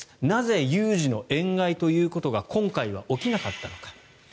なぜ有事の円買いということが今回は起きなかったのか。